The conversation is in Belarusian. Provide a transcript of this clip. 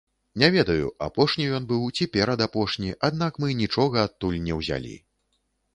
Не ведаю, апошні ён быў ці перадапошні, аднак мы нічога адтуль не ўзялі.